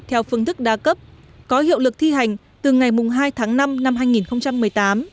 theo phương thức đa cấp có hiệu lực thi hành từ ngày hai tháng năm năm hai nghìn một mươi tám